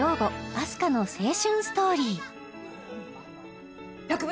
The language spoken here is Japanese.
あす花の青春ストーリー１００８